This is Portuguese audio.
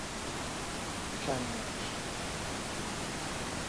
Canas